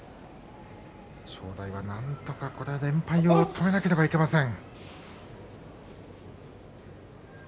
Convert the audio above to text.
正代はなんとか連敗を止めなければいけません。